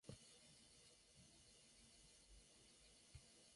Fue grabado en Brasil durante la gira promocional del disco The Chemical Wedding.